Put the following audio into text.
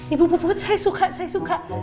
ibu puput saya suka saya suka